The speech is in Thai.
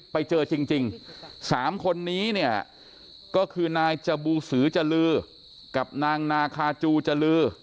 ไปเจอจริง๓คนนี้เนี่ยก็คือนายจบูสือจรือกับนางนาคาจูจรือ